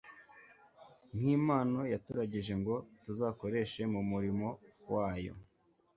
Nki mpano yaturagije ngo tuzikoreshe mu murimo wayo